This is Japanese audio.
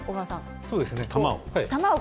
そうですね玉を。